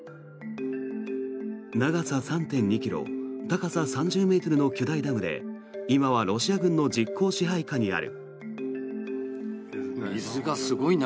長さ３．２ｋｍ、高さ３０ｍの巨大ダムで今はロシア軍の実効支配下にある。